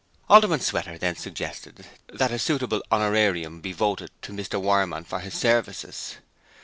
Alderman Sweater then suggested that a suitable honorarium be voted to Mr Wireman for his services.